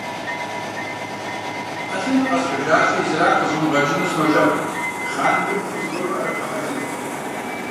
Ӏэлъыныр къэсхьыжащи, и зэран къызумыгъэкӀыу, сынолъэӀу, хъаным и пхъум зыгуэрурэ Ӏэрыбгъэхьэжыну.